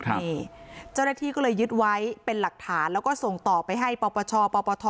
นี่เจ้าหน้าที่ก็เลยยึดไว้เป็นหลักฐานแล้วก็ส่งต่อไปให้ปปชปปท